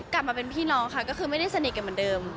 กลับมาเป็นพี่น้องค่ะก็คือไม่ได้สนิทกันเหมือนเดิม